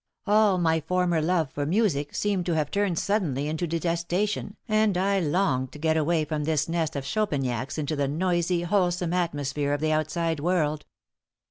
All my former love for music seemed to have turned suddenly into detestation, and I longed to get away from this nest of Chopiniacs into the noisy, wholesome atmosphere of the outside world.